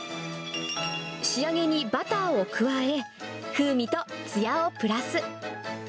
仕上げにバターを加え、風味とつやをプラス。